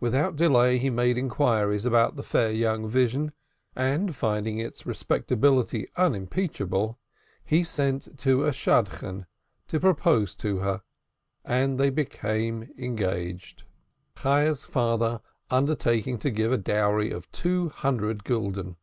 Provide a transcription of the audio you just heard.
Without delay, he made inquiries about the fair young vision, and finding its respectability unimpeachable, he sent a Shadchan to propose to her, and they were affianced: Chayah's father undertaking to give a dowry of two hundred gulden.